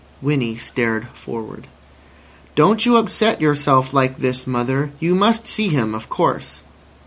Winnie stared forward. "Don't you upset yourself like this, mother. You must see him, of course."